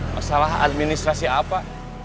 masalah administrasi apa